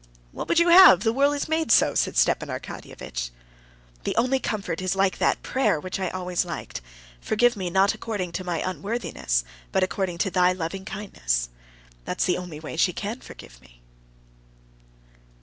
"What would you have? The world's made so," said Stepan Arkadyevitch. "The one comfort is like that prayer, which I always liked: 'Forgive me not according to my unworthiness, but according to Thy loving kindness.' That's the only way she can forgive me."